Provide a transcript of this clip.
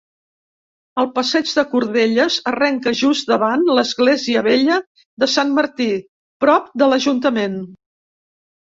El passeig de Cordelles arrenca just davant l'església vella de Sant Martí, prop de l'Ajuntament.